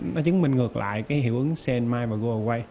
nó chứng minh ngược lại hiệu ứng cnmi và goaway